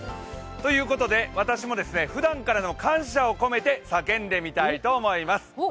ということで、私もふだんからの感謝を決めて叫んでみたいと思います。